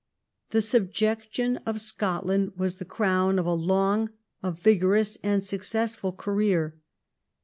The subjection of Scotland was the crown of a long, a vigorous, and successful career.